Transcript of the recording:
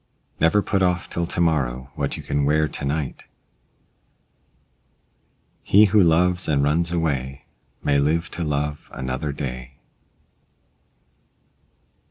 Never put off till to morrow what you can wear to night. He who loves and runs away, may live to love another day.